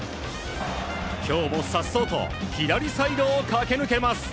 今日も颯爽と左サイドを駆け抜けます。